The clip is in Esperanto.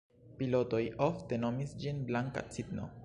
Pilotoj ofte nomis ĝin "Blanka Cigno".